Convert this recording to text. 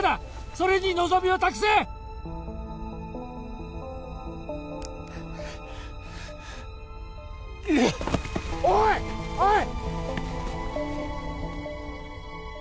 それに望みを託せうっおいおい！